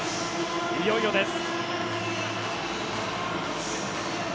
いよいよです。